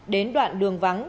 đến đoạn đường vắng